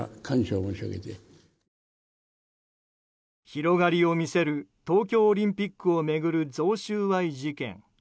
広がりを見せる東京オリンピックを巡る贈収賄事件。